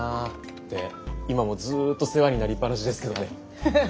って今もずっと世話になりっぱなしですけどね。